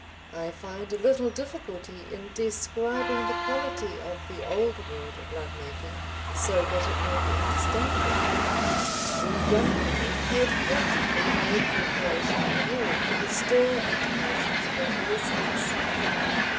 I find a little difficulty in describing the quality of the old world love making so that it may be understandable now. We young people had practically no preparation at all for the stir and emotions of adolescence.